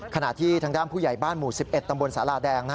ขณะที่ทางด้านผู้ใหญ่บ้านหมู่๑๑ตำบลสาราแดง